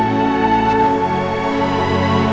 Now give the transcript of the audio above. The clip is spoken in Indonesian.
dia selalu berharap